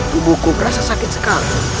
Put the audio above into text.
tubuhku rasa sakit sekali